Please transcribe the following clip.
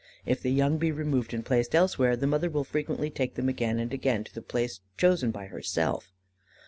If the young be removed and placed elsewhere, the mother will frequently take them again and again to the place chosen by herself.